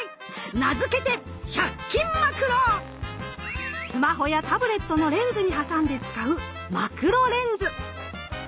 名付けてスマホやタブレットのレンズに挟んで使うマクロレンズ。